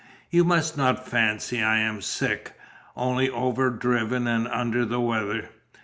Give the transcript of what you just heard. You must not fancy I am sick, only over driven and under the weather.